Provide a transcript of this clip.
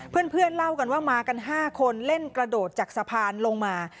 เพื่อนเล่ากันว่ามากัน๕คนเล่นกระโดดจากสะพานลงมา